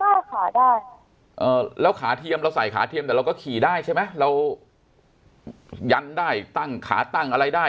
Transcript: ได้ขาได้แล้วขาเทียมเราใส่ขาเทียมแต่เราก็ขี่ได้ใช่ไหมเรายันได้ตั้งขาตั้งอะไรได้